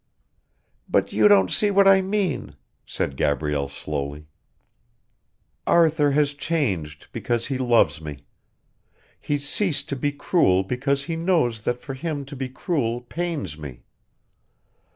"But you don't see what I mean," said Gabrielle slowly. "Arthur has changed because he loves me. He's ceased to be cruel because he knows that for him to be cruel pains me.